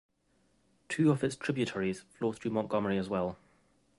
Two of its tributaries flow through Montgomery as well.